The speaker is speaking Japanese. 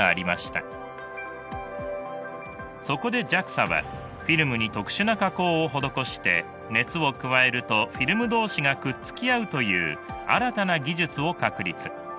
そこでＪＡＸＡはフィルムに特殊な加工を施して熱を加えるとフィルム同士がくっつき合うという新たな技術を確立。